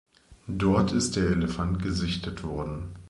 Dort ist der Elefant gesichtet worden.